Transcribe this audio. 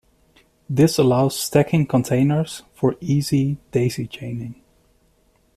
This allows stacking connectors for easy daisy-chaining.